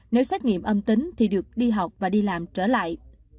nếu xét nghiệm âm tính thì được đi học và đi làm trở lại